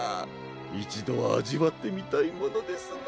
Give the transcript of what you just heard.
いちどはあじわってみたいものですな。